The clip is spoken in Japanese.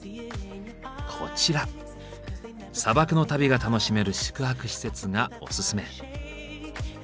砂漠の旅が楽しめる宿泊施設がオススメ。